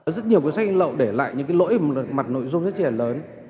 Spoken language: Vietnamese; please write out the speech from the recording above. rất nhiều cuốn sách in lậu để lại những lỗi mặt nội dung rất là lớn